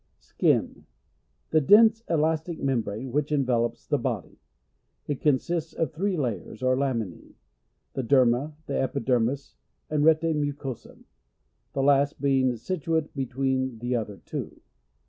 Skin. — The dense, elastic mem lira no, which envelopes the body. It con sists of three layers or lamina? ; the derma, the epidermis, and rete mvcosum, the last being situate be tween the other two.